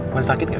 masih sakit gak